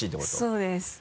そうです。